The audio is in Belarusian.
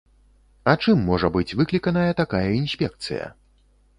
А чым можа быць выкліканая такая інспекцыя?